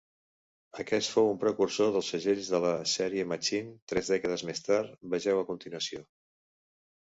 Aquest fou un precursor dels segells de la sèrie Machin tres dècades més tard: vegeu a continuació.